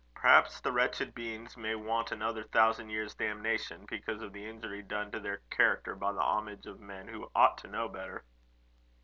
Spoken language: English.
Perhaps the wretched beings may want another thousand years' damnation, because of the injury done to their character by the homage of men who ought to know better."